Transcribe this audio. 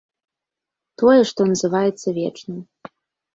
Тое, што называецца вечным.